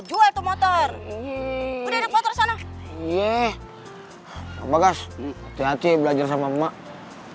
jual motor motor sana iya nama gas hati hati belajar sama emak